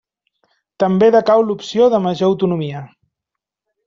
També decau l'opció de major autonomia.